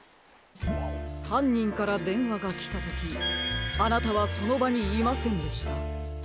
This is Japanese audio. はんにんからでんわがきたときあなたはそのばにいませんでした。